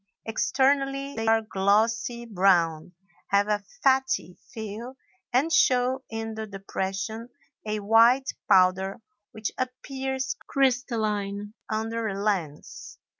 Externally they are glossy brown, have a fatty feel, and show in the depression a white powder which appears crystalline under a lens.